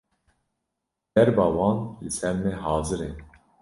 Derba wan li ser me hazir e